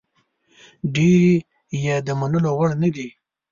ډېرې یې د منلو وړ نه دي.